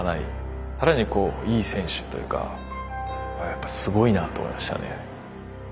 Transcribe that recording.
やっぱすごいなと思いましたね。